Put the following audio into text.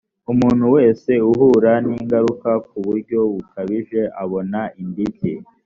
umuntu wese uhura n ingaruka ku buryo bukabije abona indishyi